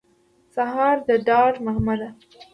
سهار د ډاډ نغمه ده.